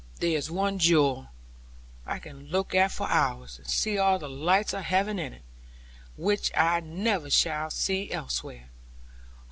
There is one jewel I can look at for hours, and see all the lights of heaven in it; which I never shall see elsewhere.